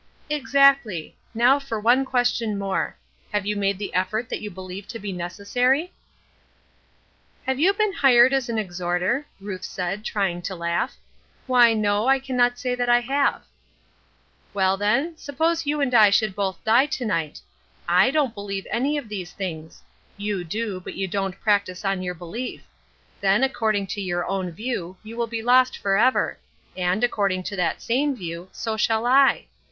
"Exactly. Now for one question more: Have you made the effort that you believe to be necessary?" "Have you been hired as an exhorter?" Ruth said, trying to laugh. "Why, no, I can not say that I have." "Well, then, suppose you and I should both die to night. I don't believe any of these things; you do, but you don't practice on your belief. Then, according to your own view, you will be lost forever; and, according to that same view, so shall I.